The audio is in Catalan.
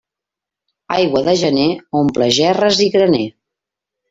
Aigua de gener omple gerres i graner.